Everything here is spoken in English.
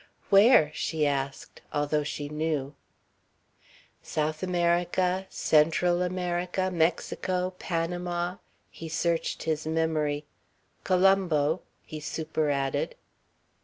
"Where?" she asked, although she knew. "South America. Central America. Mexico. Panama." He searched his memory. "Colombo," he superadded.